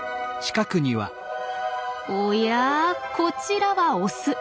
おやこちらはオス。